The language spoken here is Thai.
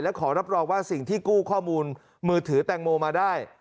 และขอรับรองว่าสิ่งที่กู้ข้อมูลมือถือแตงโมมาได้